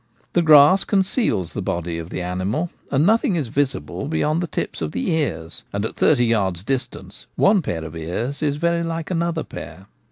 The grass conceals the body of the animal, and nothing is visible beyond the tips of the ears ; and at thirty yards distance one pair of ears is very like another pair.